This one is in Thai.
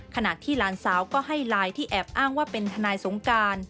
ขณะที่หลานสาวก็ให้ไลน์ที่แอบอ้างว่าเป็นทนายสงการ